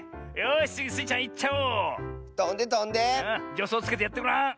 じょそうつけてやってごらん。